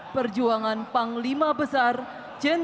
lanjutkan dan bubarkan